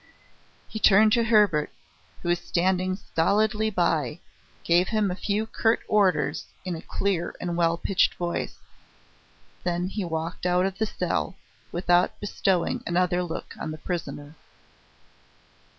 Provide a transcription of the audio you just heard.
He turned to Hebert, who was standing stolidly by, gave him a few curt orders in a clear and well pitched voice. Then he walked out of the cell, without bestowing another look on the prisoner.